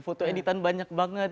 foto editan banyak banget